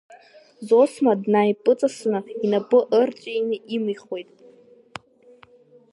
Зосма днаимпыҵасны инапы ырҵәины имихуеит.